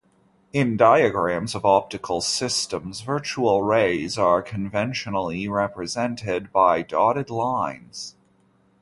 In diagrams of optical systems, virtual rays are conventionally represented by dotted lines.